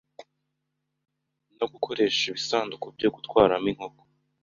no gukoresha ibisanduku byo gutwaramo inkoko